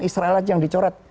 israel saja yang dicoret